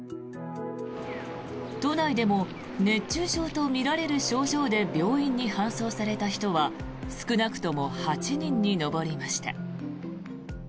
都内でも熱中症とみられる症状で病院に搬送された人は少なくとも８人に上りました。